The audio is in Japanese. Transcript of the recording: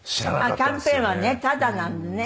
キャンペーンはねタダなんでね。